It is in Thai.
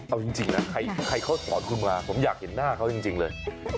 เอาจริงนะใครเขาถอนคุณมาผมอยากเห็นหน้าเขาจริงเลย